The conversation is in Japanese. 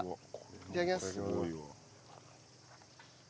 いただきます。